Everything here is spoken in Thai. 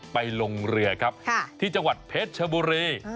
ไปลงเรือครับที่จังหวัดเพชรชบุรี